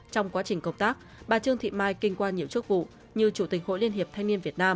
trong quá trình công tác bà trương thị mai kinh qua nhiều chức vụ như chủ tịch hội liên hiệp thanh niên việt nam